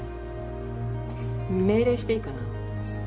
命令していいかな？